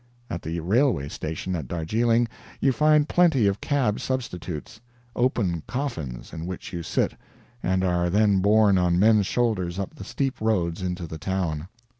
At the railway station at Darjeeling you find plenty of cab substitutes open coffins, in which you sit, and are then borne on men's shoulders up the steep roads into the town.